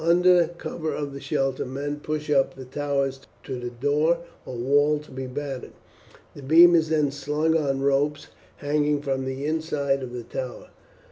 Under cover of the shelter men push up the towers to the door or wall to be battered; the beam is then slung on ropes hanging from the inside of the tower.